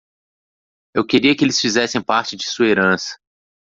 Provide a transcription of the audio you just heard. Eu queria que eles fizessem parte de sua herança.